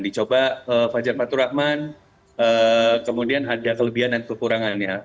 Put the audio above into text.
dicoba fajar paktur rahman kemudian ada kelebihan dan kekurangannya